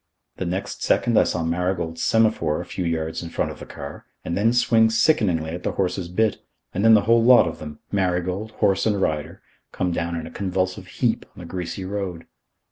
The next second I saw Marigold semaphore a few yards in front of the car and then swing sickeningly at the horse's bit; and then the whole lot of them, Marigold, horse and rider, come down in a convulsive heap on the greasy road.